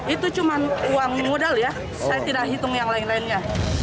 itu cuma uang modal ya saya tidak hitung yang lain lainnya